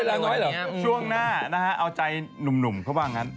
ช่วงหน้านะฮะเอาใจหนุ่มเพราะว่างั้น